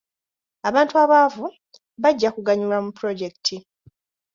Abantu abaavu bajja kuganyulwa mu pulojekiti.